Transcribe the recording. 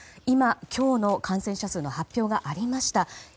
今、今日の感染者数の発表がありました。